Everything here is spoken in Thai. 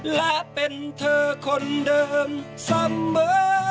และเป็นเธอคนเดิมเสมอ